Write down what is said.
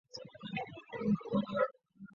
睫毛金腰为虎耳草科金腰属下的一个变种。